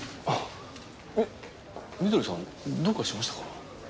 あぁみみどりさんどうかしましたか？